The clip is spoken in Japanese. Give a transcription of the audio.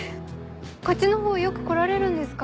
こっちのほうよく来られるんですか？